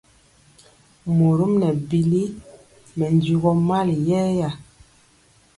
Morɔm nɛ bili mɛ njugɔ mali yɛɛya.